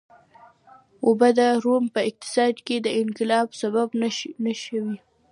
اوبه د روم په اقتصاد کې د انقلاب سبب نه شوې.